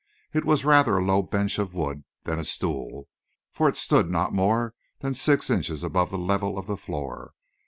It was rather a low bench of wood than a stool; for it stood not more than six inches above the level of the floor.